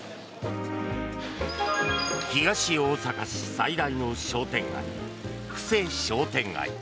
東大阪市最大の商店街布施商店街。